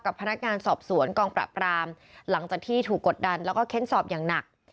พนักงานสอบสวนกองปราบรามหลังจากที่ถูกกดดันแล้วก็เค้นสอบอย่างหนัก